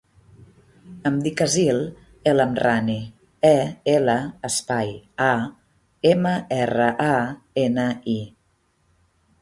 Em dic Aseel El Amrani: e, ela, espai, a, ema, erra, a, ena, i.